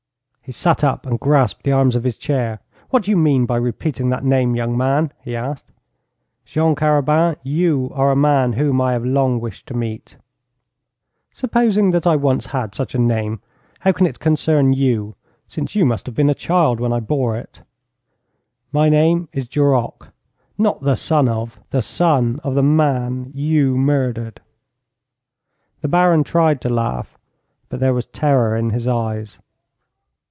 He sat up and grasped the arms of his chair. 'What do you mean by repeating that name, young man?' he asked. 'Jean Carabin, you are a man whom I have long wished to meet.' 'Supposing that I once had such a name, how can it concern you, since you must have been a child when I bore it?' 'My name is Duroc.' 'Not the son of ?' 'The son of the man you murdered.' The Baron tried to laugh, but there was terror in his eyes.